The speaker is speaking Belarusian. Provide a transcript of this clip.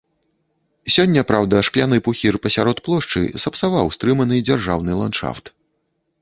Сёння, праўда, шкляны пухір пасярод плошчы сапсаваў стрыманы дзяржаўны ландшафт.